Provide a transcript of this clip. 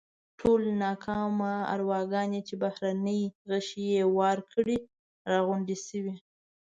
ټولې ناکامه ارواګانې چې بهرني غشي یې وار کړي راغونډې شوې.